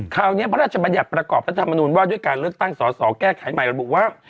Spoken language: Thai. คราวนี้พระราชบัญญัติประกอบรัฐธรรมนุนว่าด้วยการเลือกตั้งสอสอแก้ไขใหม่ระบุว่า